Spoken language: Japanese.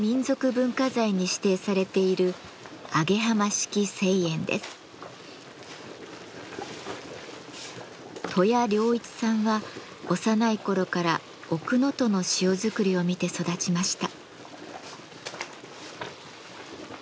文化財に指定されている登谷良一さんは幼い頃から奥能登の塩作りを見て育ちました。